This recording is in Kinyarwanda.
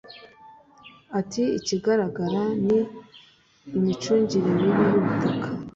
Ati “Ikigaragara ni imicungirire mibi y’ubutaka